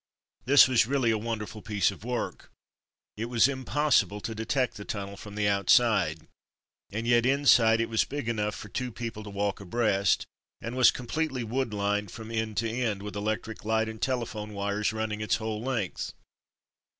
This was really a wonderful piece of work. It was impossible to detect the tunnel from the outside, and yet inside it was big enough for two people to walk abreast, and was completely wood lined from end to end, with i8o From Mud to Mufti electric light and telephone wires running its whole length.